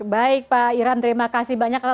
baik pak iram terima kasih banyak